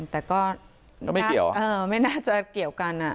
แต่ก็ไม่เกี่ยวกัน